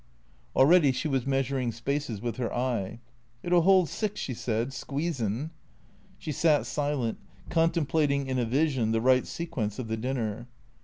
Already she was measuring spaces with her eye. " It '11 'old six," she said —" squeezin'." She sat silent, contemplating in a vision the right sequence of the dinner.